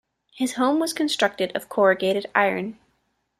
His home was constructed of corrugated iron.